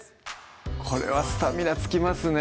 これはスタミナつきますね